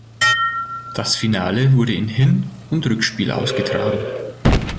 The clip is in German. Das Finale wurde in Hin- und Rückspiel ausgetragen.